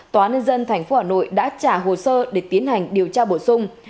tòa án nhân dân tp hcm đã trả hồ sơ để tiến hành điều tra bổ sung